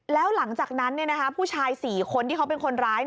แล้วหลังจากนั้นผู้ชาย๔คนที่เขาเป็นคนร้าย